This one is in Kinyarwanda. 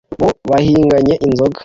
bo bahiganye inzigo